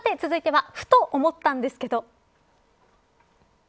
続いてはふと思ったんですけど。